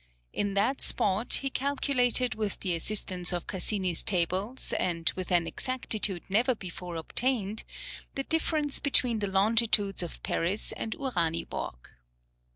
In that spot he calculated with the assistance of Cassini's Tables, and with an exactitude never before obtained, the difference between the longitudes of Paris and Uraniborg.